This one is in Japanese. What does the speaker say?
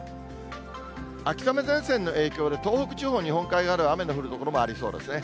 秋雨前線の影響で、東北地方、日本海側では雨の降る所もありそうですね。